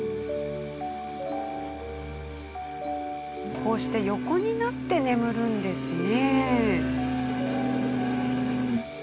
こうして横になって眠るんですね。